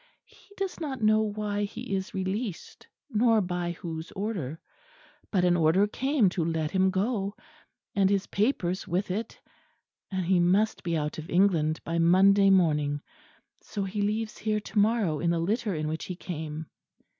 He does not know why he is released, nor by whose order: but an order came to let him go, and his papers with it: and he must be out of England by Monday morning: so he leaves here to morrow in the litter in which he came.